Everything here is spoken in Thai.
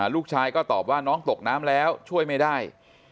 ลูกชายก็ตอบว่าน้องตกน้ำแล้วช่วยไม่ได้